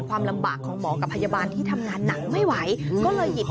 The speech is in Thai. ความลำบากของหมอกับพยาบาลที่ทำงานหนักไม่ไหว